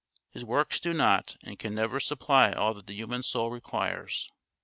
His works do not, and can never supply all that the human soul requires.